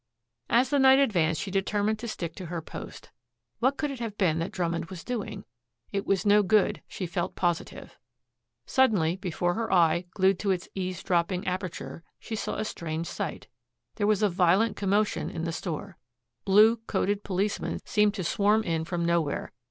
As the night advanced she determined to stick to her post. What could it have been that Drummond was doing? It was no good, she felt positive. Suddenly before her eye, glued to its eavesdropping aperture, she saw a strange sight. There was a violent commotion in the store. Blue coated policemen seemed to swarm in from nowhere.